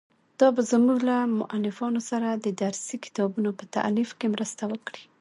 دا به زموږ له مؤلفانو سره د درسي کتابونو په تالیف کې مرسته وکړي.